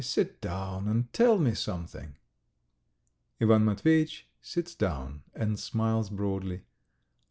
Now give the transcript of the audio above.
Sit down and tell me something ..." Ivan Matveyitch sits down and smiles broadly.